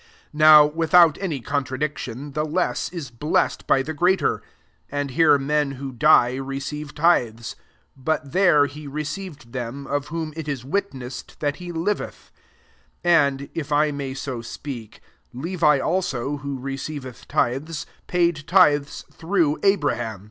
7 Now, without any contra diction, the less is blessed by the greater. 8 And here men who die receive tithes; but there he received them, of whom ' it is witnessed that he liveth, 9 And, if I may so speak, Levi also, who recelveth tithes, pay ed tithes through Abraham.